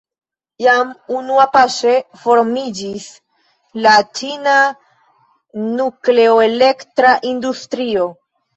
Jam unuapaŝe formiĝis la ĉina nukleoelektra industrio.